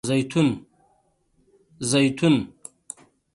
🫒 زیتون